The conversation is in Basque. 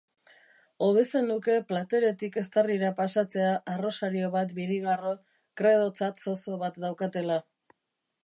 Hobe zenuke plateretik eztarrira pasatzea arrosario bat birigarro, Kredotzat zozo bat daukatela.